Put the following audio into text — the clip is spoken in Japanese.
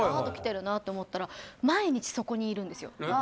鳩来てるなって思ったら毎日そこにいるんですよ。